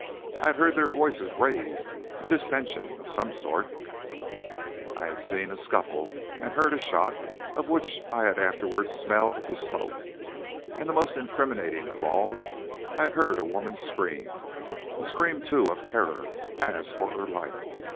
I had heard their voices raised in dissension of some sort, I had seen a scuffle and had heard a shot, of which I had afterward smelled the smoke, and, most incriminating of all, I had heard a woman's scream. A scream, too, of terror, as for her life!